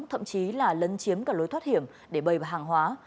thậm chí là lấn chiếm cả lối thoát hiểm để bày vào hàng hóa